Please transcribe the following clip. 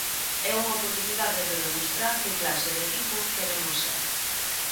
É unha oportunidade de demostrar que clase de equipo queremos ser.